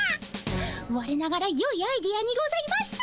われながらよいアイデアにございます。